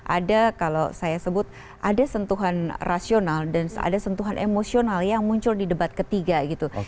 ada kalau saya sebut ada sentuhan rasional dan ada sentuhan emosional yang muncul di debat ketiga gitu